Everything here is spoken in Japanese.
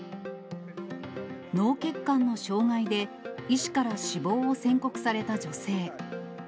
脳血管の障害で、医師から死亡を宣告された女性。